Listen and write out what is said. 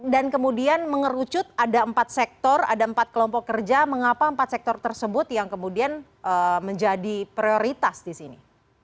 dan kemudian mengerucut ada empat sektor ada empat kelompok kerja mengapa empat sektor tersebut yang kemudian menjadi prioritas di sini